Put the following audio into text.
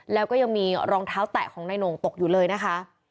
แล้วก็ยังมีรองเท้าแตะของนายโหน่งตกอยู่เลยนะคะ